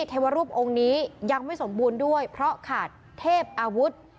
เทวรูปองค์นี้ยังไม่สมบูรณ์ด้วยเพราะขาดเทพอาวุธ